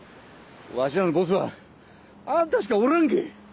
わしらのボスはあんたしかおらんけぇ！